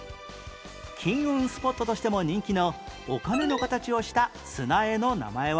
金運スポットとしても人気のお金の形をした砂絵の名前は？